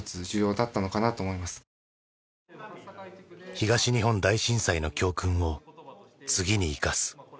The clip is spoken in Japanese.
東日本大震災の教訓を次に生かす。